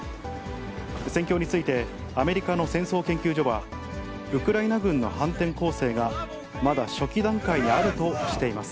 戦況について、アメリカの戦争研究所は、ウクライナ軍の反転攻勢がまだ初期段階にあるとしています。